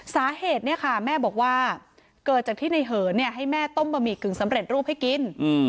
สาเหตุเนี่ยค่ะแม่บอกว่าเกิดจากที่ในเหินให้แม่ต้มบะหมี่กึ่งสำเร็จรูปให้กิน